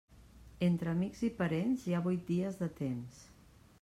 Entre amics i parents hi ha vuit dies de temps.